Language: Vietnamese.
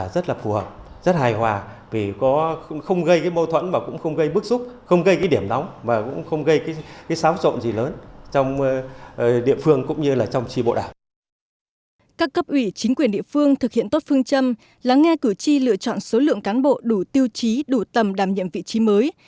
các cấp ủy chính quyền địa phương thực hiện tốt phương châm lắng nghe cử tri lựa chọn số lượng cán bộ đủ tiêu chí đủ tầm đảm nhiệm vị trí mới